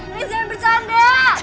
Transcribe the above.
risa jangan bercanda